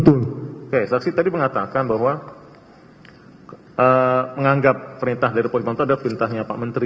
oke saksi tadi mengatakan bahwa menganggap perintah dari pak witanto adalah perintahnya pak menteri